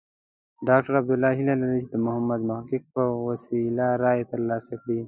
ډاکټر عبدالله هیله لري چې د محمد محقق په وسیله رایې ترلاسه کړي.